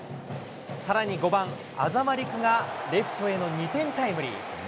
さらに５番安座間竜玖がレフトへの２点タイムリー。